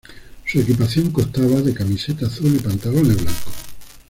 Su equipación constaba de camiseta azul y pantalones blancos.